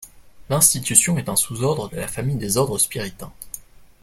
L'institution est un sous-ordre de la Famille des Ordres spiritains.